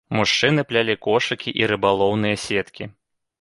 Мужчыны плялі кошыкі і рыбалоўныя сеткі.